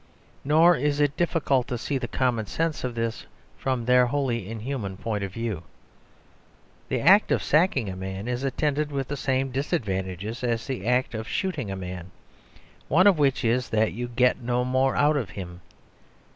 Nor is it difficult to see the commonsense of this from their wholly inhuman point of view. The act of sacking a man is attended with the same disadvantages as the act of shooting a man: one of which is that you can get no more out of him.